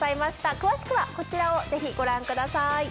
詳しくはこちらをぜひご覧ください。